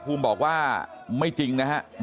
คงจะไม่ดีครับ